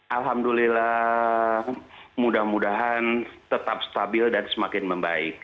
alhamdulillah mudah mudahan tetap stabil dan semakin membaik